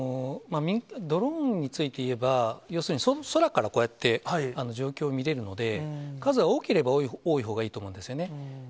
ドローンについて言えば、要するに、空からこうやって状況を見れるので、数は多ければ多いほどいいと思うんですよね。